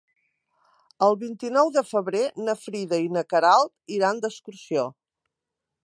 El vint-i-nou de febrer na Frida i na Queralt iran d'excursió.